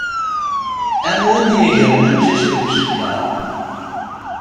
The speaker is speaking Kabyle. Am win yegren amcic deg ucekkaṛ.